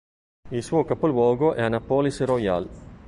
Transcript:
Il suo capoluogo è Annapolis Royal.